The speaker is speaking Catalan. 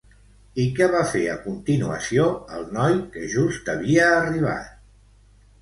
I què va fer a continuació el noi que just havia arribat?